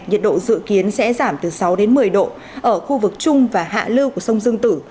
nhiệt độ dự kiến sẽ giảm từ sáu đến một mươi độ ở khu vực trung và hạ lưu của sông dương tử